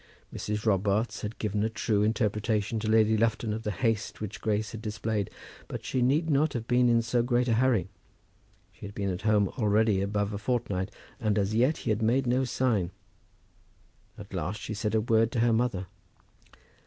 Mrs. Robarts had given a true interpretation to Lady Lufton of the haste which Grace had displayed. But she need not have been in so great a hurry. She had been at home already above a fortnight, and as yet he had made no sign. At last she said a word to her mother.